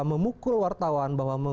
memukul wartawan bahwa